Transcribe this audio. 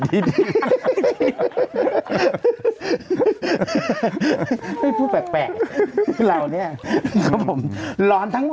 รอนทั้งบางครับคุณผู้ชมครับ